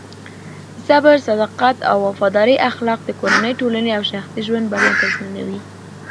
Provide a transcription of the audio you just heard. د صبر، صداقت او وفادارۍ اخلاق د کورنۍ، ټولنې او شخصي ژوند بریا تضمینوي.